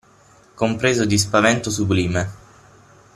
Compreso di spavento sublime.